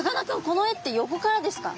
この絵って横からですか？